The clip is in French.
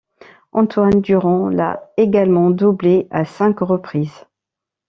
Antoine Durand l'a également doublé à cinq reprises.